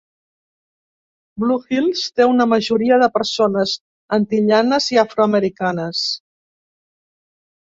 Blue Hills té una majoria de persones antillanes i afroamericanes.